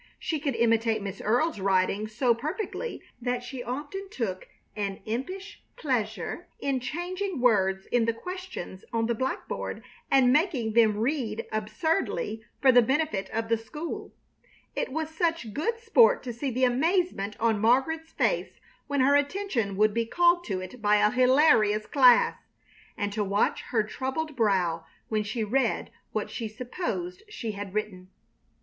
She could imitate Miss Earle's writing so perfectly that she often took an impish pleasure in changing words in the questions on the blackboard and making them read absurdly for the benefit of the school. It was such good sport to see the amazement on Margaret's face when her attention would be called to it by a hilarious class, and to watch her troubled brow when she read what she supposed she had written.